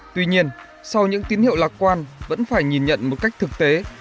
tuy nhiên sau những tín hiệu lạc quan vẫn phải nhìn nhận một cách thực tế